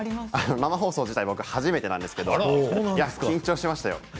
生放送自体初めてなんですけど、緊張しました。